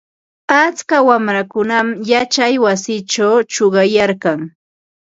Atska wamrakunam yachana wasichaw chuqayarkan.